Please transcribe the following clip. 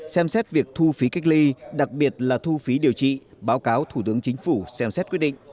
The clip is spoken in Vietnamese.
xem xét việc thu phí cách ly đặc biệt là thu phí điều trị báo cáo thủ tướng chính phủ xem xét quyết định